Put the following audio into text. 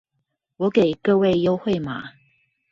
我給各位優惠碼